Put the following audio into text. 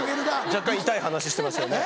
若干痛い話してましたよね。